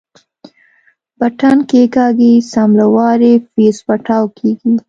بټن کښېکاږي سم له وارې فيوز پټاو کېږي.